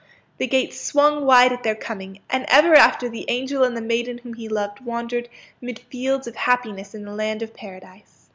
The gates swung wide at their coming, and ever after the angel and the maiden whom he loved wandered mid fields of happiness in the land of Paradise.